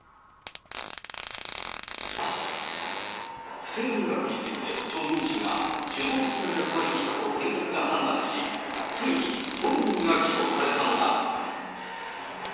不正入学についてチョ・ミン氏が主導的な役割をしたと検察が判断し、ついに本人が起訴されたのだ。